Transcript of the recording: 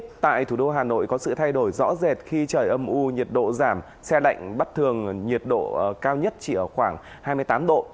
tại thủ đô hà nội có sự thay đổi rõ rệt khi trời âm u nhiệt độ giảm xe đạnh bắt thường nhiệt độ cao nhất chỉ ở khoảng hai mươi tám độ